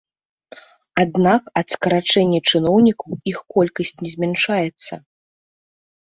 Аднак ад скарачэння чыноўнікаў іх колькасць не змяншаецца.